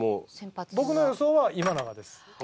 僕の予想は今永です。